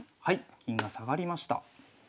はい銀が下がりました。